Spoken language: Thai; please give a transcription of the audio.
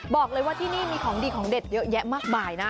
บอกเลยว่าที่นี่มีของดีของเด็ดเยอะแยะมากมายนะ